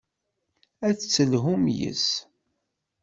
Ad d-telhum yes-s.